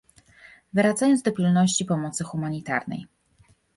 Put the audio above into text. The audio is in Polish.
Wracając do pilności pomocy humanitarnej